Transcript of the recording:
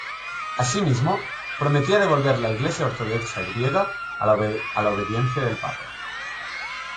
Asimismo, prometía devolver la Iglesia ortodoxa griega a la obediencia del Papa.